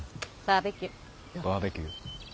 バーベキュー。